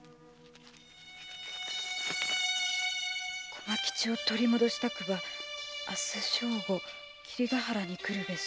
「駒吉を取り戻したくば明日正午霧ヶ原に来るべし」